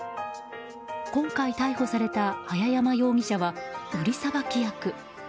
今回逮捕された早山容疑者は売りさばき役。